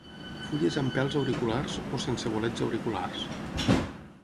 Fulles amb pèls auriculars, o sense bolets auriculars.